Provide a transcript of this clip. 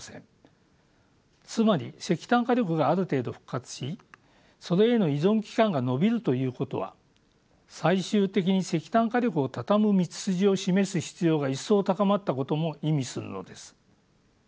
つまり石炭火力がある程度復活しそれへの依存期間が延びるということは最終的に石炭火力を畳む道筋を示す必要が一層高まったことも意味するのです。